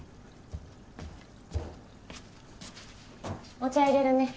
お茶入れるね。